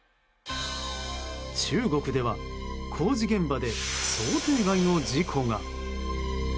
中国では、工事現場で想定外の事故が。